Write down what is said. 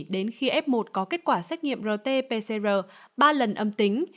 đến khi f một có kết quả xét nghiệm rt pcr ba lần âm tính